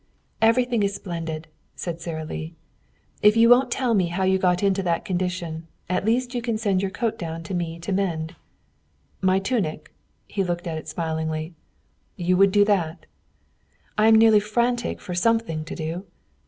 "Everything is splendid," said Sara Lee. "If you won't tell me how you got into that condition, at least you can send your coat down to me to mend." "My tunic!" He looked at it smilingly. "You would do that?" "I am nearly frantic for something to do."